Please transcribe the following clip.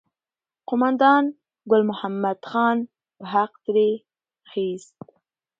قوماندان ګل محمد خان به حق ترې اخیست.